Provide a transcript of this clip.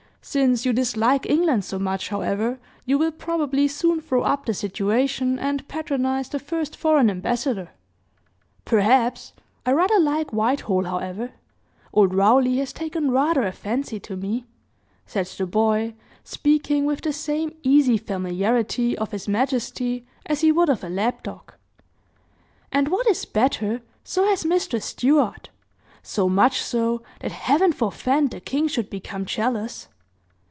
Since you dislike England so much, however, you will probably soon throw up the situation and, patronize the first foreign ambassador " "Perhaps! I rather like Whitehall, however. Old Rowlie has taken rather a fancy to me," said the boy speaking with the same easy familiarity of his majesty as he would of a lap dog. "And what is better, so has Mistress Stewart so much so, that Heaven forefend the king should become jealous.